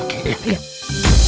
ini gusta banget